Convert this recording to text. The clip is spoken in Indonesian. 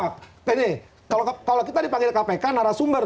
nah ini kalau kita dipanggil kpk narasumber